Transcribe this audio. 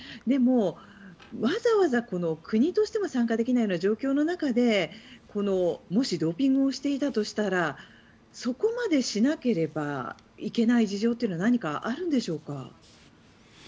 でも、わざわざ国として参加できないような状況の中でもしドーピングをしていたとしたらそこまでしなければいけない事情は何かあるんでしょうか。